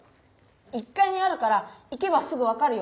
１かいにあるから行けばすぐ分かるよ。